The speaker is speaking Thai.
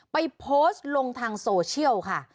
ไปโพสต์ลงทางโซเชียลค่ะ